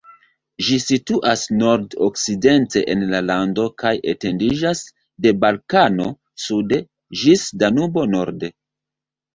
Ĝi situas nord-okcidente en la lando kaj etendiĝas de Balkano sude ĝis Danubo norde.